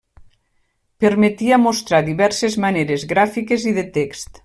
Permetia mostrar diverses maneres gràfiques i de text.